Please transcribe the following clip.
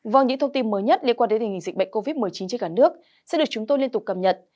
vâng những thông tin mới nhất liên quan đến hình dịch covid một mươi chín trên cả nước sẽ được chúng tôi liên tục cầm nhận